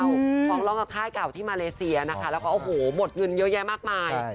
ฟ้องร้องกับค่ายเก่าที่มาเลเซียนะคะแล้วก็โอ้โหหมดเงินเยอะแยะมากมาย